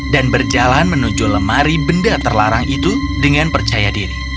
dan berjalan menuju lemari benda terlarang itu dengan percaya diri